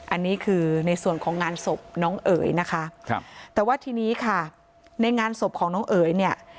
อันนี้คือในส่วนของงานศพน้องเอ๋ยนะคะครับแต่ว่าทีนี้ค่ะในงานศพของน้องเอ๋ยเนี่ย